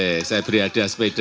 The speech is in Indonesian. oke saya beri hadiah sepeda